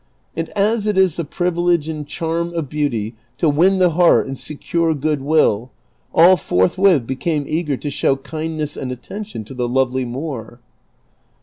And as it is the privilege and charm of beauty to win the lieart and secure good will, all forthwith became eager to show kindness and attention to the lovely Moor.